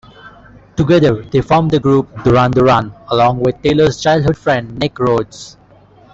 Together they formed the group Duran Duran, along with Taylor's childhood friend, Nick Rhodes.